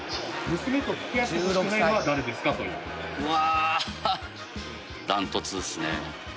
うわ。